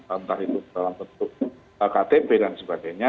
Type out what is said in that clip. entah itu dalam bentuk ktp dan sebagainya